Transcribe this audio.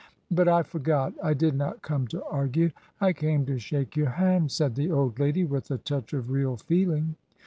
... But I forgot; I did not come to argue, I came to shake your hand," said the old lady, with a touch of real feeling.